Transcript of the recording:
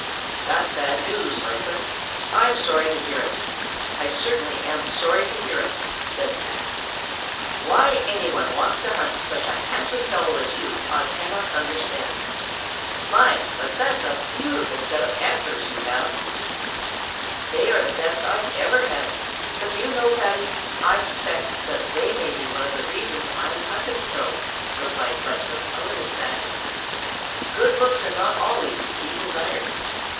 "That's bad news, Lightfoot. I'm sorry to hear it. I certainly am sorry to hear it," said Paddy. "Why anybody wants to hunt such a handsome fellow as you are, I cannot understand. My, but that's a beautiful set of antlers you have!" [Illustration: "My, but that's a beautiful set of antlers you have!"] "They are the best I've ever had; but do you know, Paddy, I suspect that they may be one of the reasons I am hunted so," replied Lightfoot a little sadly. "Good looks are not always to be desired.